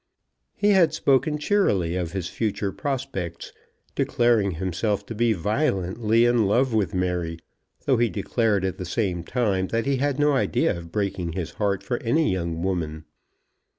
He had spoken cheerily of his future prospects, declaring himself to be violently in love with Mary, though he declared at the same time that he had no idea of breaking his heart for any young woman.